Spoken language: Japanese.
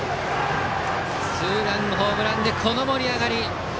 ツーランホームランでこの盛り上がり。